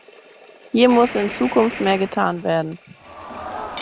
Hier muss in Zukunft mehr getan werden.